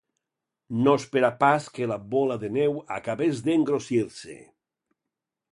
No esperà pas que la bola de neu acabés d'engrossir-se.